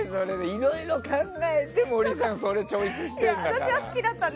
いろいろ考えて森さん、それチョイスしてるんだから。